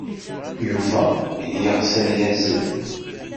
Yuba yeɣs ad yazzel.